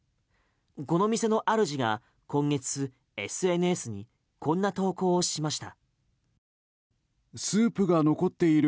この店の主が今月ＳＮＳにこんな投稿しました。